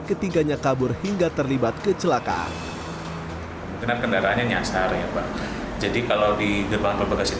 ketiganya kabur hingga terlibat kecelakaan